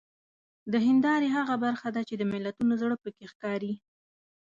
د هیندارې هغه برخه ده چې د ملتونو زړه پکې ښکاري.